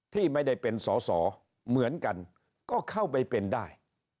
ที่ไม่ได้เป็นสอสอเหมือนกันก็เข้าไปเป็นได้